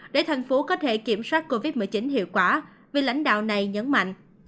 để thành phố có thể kiểm soát covid một mươi chín hiệu quả vì lãnh đạo này nhấn mạnh